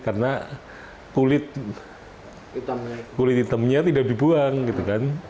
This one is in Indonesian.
karena kulit hitamnya tidak dibuang gitu kan